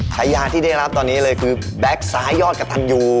ชายาที่ได้รับตอนนี้เลยคือแบ็คซ้ายยอดกระตันยู